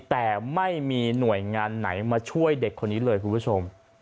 แต่ไม่มีหน่วยงานไหนมาช่วยเด็กคนนี้เลยคุณผู้ชม